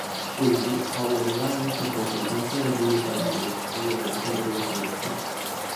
Quindi, Paolo Melara propose di sentire Giulio Savelli, allora editore della sinistra.